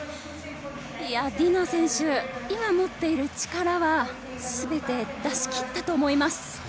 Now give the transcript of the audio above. ディナ選手、今持っている力は全て出し切ったと思います。